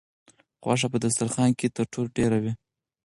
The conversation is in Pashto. غوښه په دسترخوان کې تر ټولو ډېره وه.